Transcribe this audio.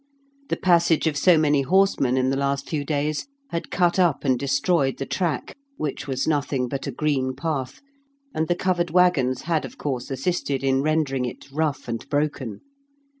The passage of so many horsemen in the last few days had cut up and destroyed the track, which was nothing but a green path, and the covered waggons had of course assisted in rendering it rough and broken.